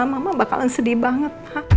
mama bakalan sedih banget